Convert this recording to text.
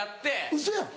ウソやん。